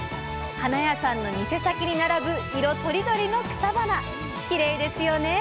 花屋さんの店先に並ぶ色とりどりの草花きれいですよね。